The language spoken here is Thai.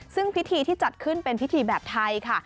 ซึ่งพิธีที่จัดขึ้นเป็นพิธีแบบไทยค่ะ